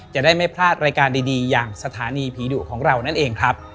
จะได้ไม่พลาดรายการดีอย่างสถานีผีดุของเรานั่นเองครับ